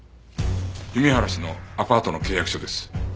弓原氏のアパートの契約書です。